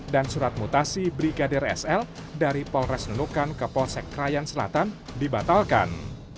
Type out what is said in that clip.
dan surat mutasi brigadir sl dari polres nunukan ke polsek krayan selatan dibatalkan